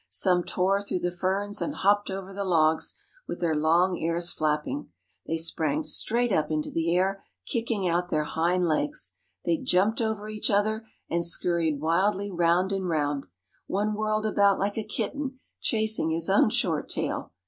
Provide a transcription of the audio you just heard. Some tore through the ferns and hopped over the logs, with their long ears flapping. They sprang straight up into the air, kicking out their hind legs. They jumped over each other, and scurried wildly round and round. One whirled about like a kitten, chasing his own short tail.